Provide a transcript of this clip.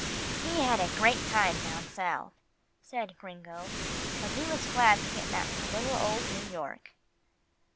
"He had a great time down South," said Gringo, "but he was glad to get back to little old New York."